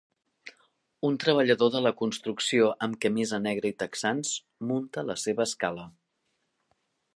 Un treballador de la construcció amb camisa negra i texans munta la seva escala.